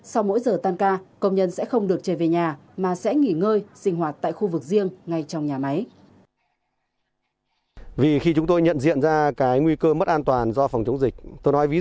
sau mỗi giờ tan ca công nhân sẽ không được trở về nhà mà sẽ nghỉ ngơi sinh hoạt tại khu vực riêng ngay trong nhà máy